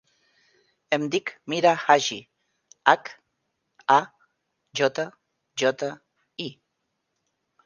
Em dic Mira Hajji: hac, a, jota, jota, i.